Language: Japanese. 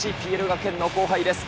ＰＬ学園の後輩です。